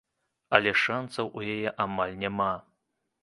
Але шанцаў у яе амаль няма.